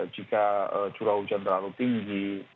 jika curah hujan terlalu tinggi